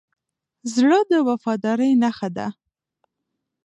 زړه د وفادارۍ نښه ده.